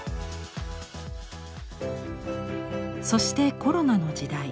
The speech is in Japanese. そしてコロナの時代